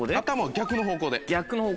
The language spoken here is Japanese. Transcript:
逆の方向で。